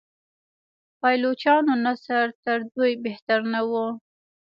پایلوچانو نسل تر دوی بهتر نه و.